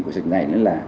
của sách này